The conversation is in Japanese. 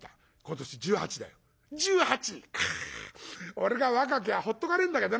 俺が若きゃほっとかねえんだけどな」。